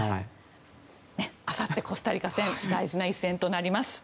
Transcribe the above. あさってコスタリカ戦大事な一戦となります。